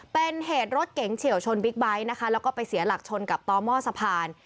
เป็นเหตุรถเก๋งเฉียวชนบิ๊กไบท์นะคะแล้วก็ไปเสียหลักชนกับต่อหม้อสะพาน